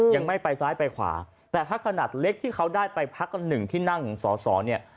ยังไม่ไปซ้ายไปขวาแต่พักขนาดเล็กที่เขาได้ไปพักหนึ่งที่นั่งสอสอเนี่ย